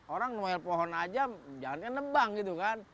orang nohel pohon aja jangankan nebang gitu kan